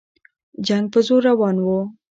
جنګ په زور روان وو.